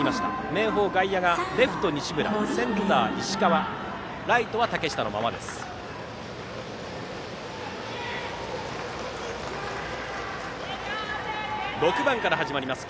明豊、外野がレフトに西村センター、石川ライトは嶽下のままです。